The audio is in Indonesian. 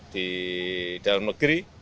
di dalam negeri